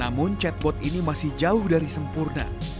namun chatbot ini masih jauh dari sempurna